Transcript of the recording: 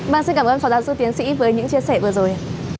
vâng xin cảm ơn phó giáo sư tiến sĩ với những chia sẻ vừa rồi